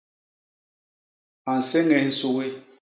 A nséñés nsugi.